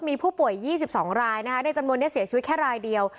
มีผู้ป่วย๒๒รายนะคะในจำนวนนี้เสียชีวิตแค่รายเดียว